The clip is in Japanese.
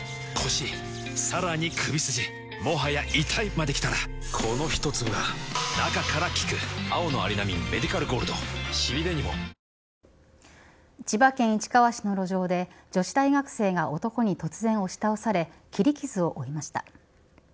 また処理水をめぐり野党の一部から千葉県市川市の路上で女子大学生が男に突然、押し倒され切り傷を負いました。